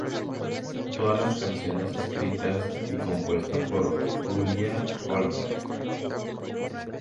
Todas las canciones escritas y compuestas por Julia Holter.